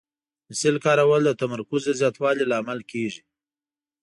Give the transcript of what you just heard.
د پنسل کارول د تمرکز د زیاتوالي لامل کېږي.